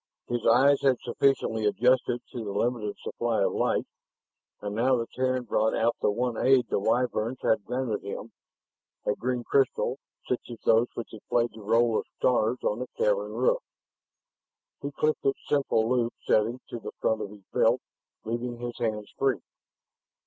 His eyes had sufficiently adjusted to the limited supply of light, and now the Terran brought out the one aid the Wyverns had granted him, a green crystal such as those which had played the role of stars on the cavern roof. He clipped its simple loop setting to the front of his belt, leaving his hands free.